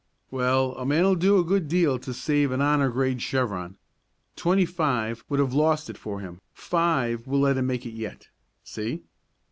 "Well, a man'll do a good deal to save an honor grade chevron. Twenty five would have lost it for him, five will let him make it yet. See?"